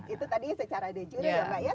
itu tadi secara de jure ya mbak ya